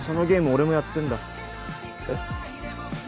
俺もやってんだえっ？